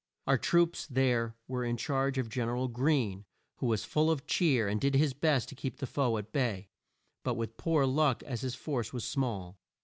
Our troops there were in charge of Gen er al Greene, who was full of cheer, and did his best to keep the foe at bay, but with poor luck as his force was small.